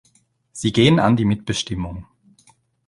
Sie gehen an die Mitbestimmung.